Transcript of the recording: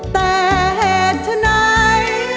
แต่เหตุไหน